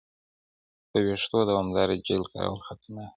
پر وېښتو دوامداره جیل کارول خطرناک دي.